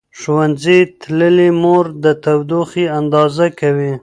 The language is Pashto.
ښوونځې تللې مور د تودوخې اندازه کوي.